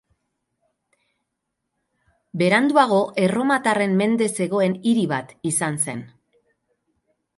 Beranduago, erromatarren mende zegoen hiri bat izan zen.